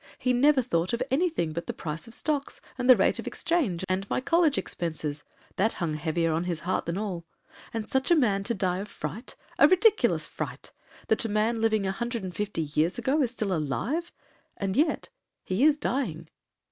He never thought of any thing but the price of stocks, and the rate of exchange, and my college expences, that hung heavier at his heart than all; and such a man to die of a fright,—a ridiculous fright, that a man living 150 years ago is alive still, and yet—he is dying.'